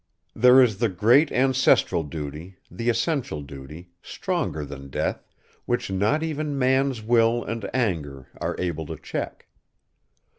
There is the great ancestral duty, the essential duty, stronger than death, which not even man's will and anger are able to check.